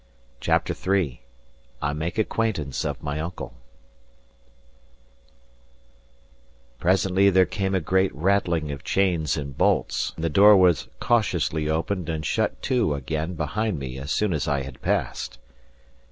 CHAPTER III I MAKE ACQUAINTANCE OF MY UNCLE Presently there came a great rattling of chains and bolts, and the door was cautiously opened and shut to again behind me as soon as I had passed.